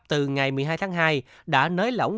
từ ngày một mươi hai tháng hai đã nới lỏng